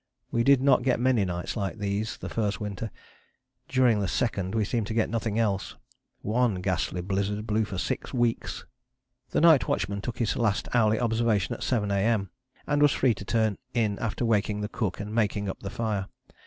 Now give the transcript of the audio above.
We did not get many nights like these the first winter; during the second we seemed to get nothing else. One ghastly blizzard blew for six weeks. The night watchman took his last hourly observation at 7 A.M., and was free to turn in after waking the cook and making up the fire.